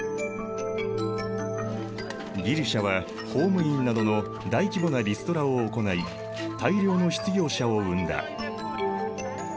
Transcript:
ギリシアは公務員などの大規模なリストラを行い大量の失業者を生んだ。